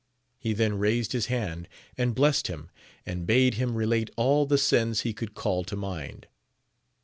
He then raised his hand and blessed him, and bade him relate all the sins he could call to mind.